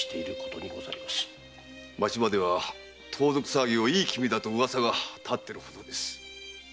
町場では盗賊騒ぎをいい気味だと噂が立つほどです。